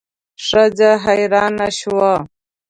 ښځه حیرانه شوه.